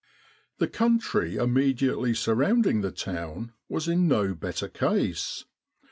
The country immediately surrounding the town was in no better case.